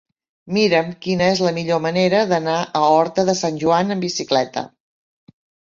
Mira'm quina és la millor manera d'anar a Horta de Sant Joan amb bicicleta.